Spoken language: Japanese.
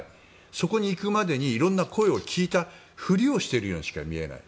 そこに行くまでに色んな声を聞いたふりをしているようにしか見えない。